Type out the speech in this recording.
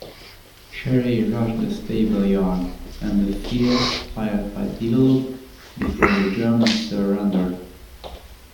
Cherry "rushed the stable yard" and a fierce firefight developed, before the Germans surrendered.